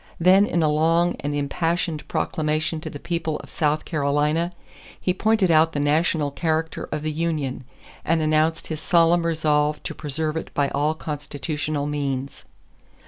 Then in a long and impassioned proclamation to the people of South Carolina he pointed out the national character of the union, and announced his solemn resolve to preserve it by all constitutional means.